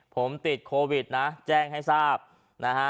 ผมติดโควิดนะแจ้งให้ทราบนะฮะ